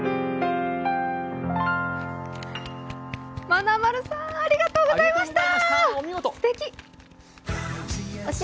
まなまるさん、ありがとうございました。